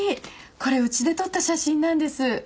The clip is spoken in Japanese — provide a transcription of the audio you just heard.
これうちで撮った写真なんです。